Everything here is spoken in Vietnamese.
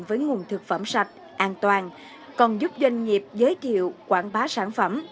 với nguồn thực phẩm sạch an toàn còn giúp doanh nghiệp giới thiệu quảng bá sản phẩm